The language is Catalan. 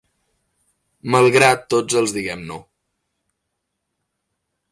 Malgrat tots els diguem no.